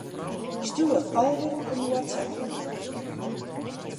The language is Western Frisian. Stjoer Albert in WhatsApp-berjocht.